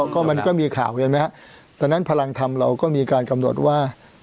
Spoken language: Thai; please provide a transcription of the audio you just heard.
ก็มันก็มีข่าวไงไหมฮะตอนนั้นพลังธรรมเราก็มีการกำหนดว่า